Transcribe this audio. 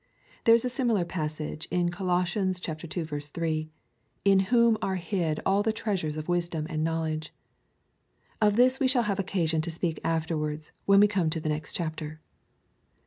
There is a similar passage in Col. ii. 3 — In whom are hid all the treasures of wisdom and know ledge. Of this we shall have occasion to speak afterwards when we come to the next chapter.